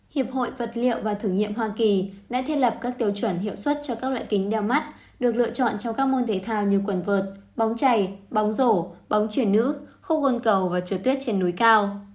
hiệp hội vật liệu và thử nghiệm hoa kỳ đã thiết lập các tiêu chuẩn hiệu suất cho các loại kính đeo mắt được lựa chọn trong các môn thể thao như quần vợt bóng chảy bóng rổ bóng truyền nữ khúc ôn cầu và trời tuyết trên núi cao